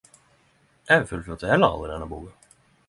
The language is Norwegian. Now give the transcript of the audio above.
Eg fullførte heller aldri denne boka.